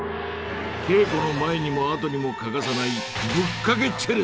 稽古の前にも後にも欠かさない「ぶっかけチェレ」さ！